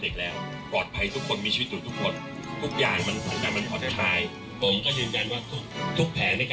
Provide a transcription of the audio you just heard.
โปรดติดตามตอนต่อไป